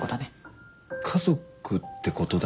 家族ってことだよね。